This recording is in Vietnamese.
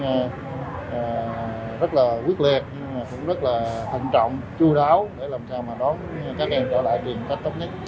chú đáo để làm sao mà đón các em trở lại trường cách tốt nhất